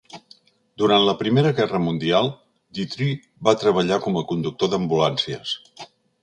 Durant la Primera Guerra Mundial, Dutrieu va treballar com a conductor d'ambulàncies.